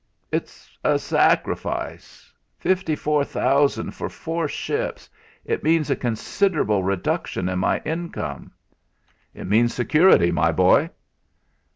"It's a sacrifice. Fifty four thousand for four ships it means a considerable reduction in my income." "It means security, my boy."